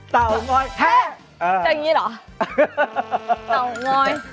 จะอย่างนี้เหรอเต่าง้อย